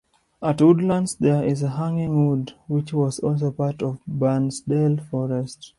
At Woodlands there is Hanging Wood, which was also part of Barnsdale Forest.